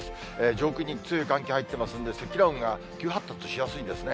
上空に強い寒気入ってますんで、積乱雲が急発達しやすいんですね。